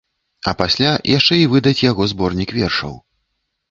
А пасля яшчэ і выдаць яго зборнік вершаў.